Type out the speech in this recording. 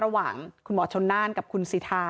ระหว่างคุณหมอชนน่านกับคุณสิทา